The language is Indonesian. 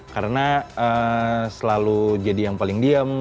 karena selalu jadi yang paling diem